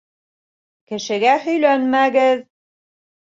Кешегә һөйләнмәгеҙ.